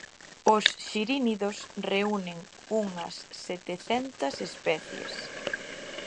Os xirínidos reúnen unhas setecentas especies.